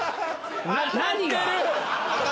何が？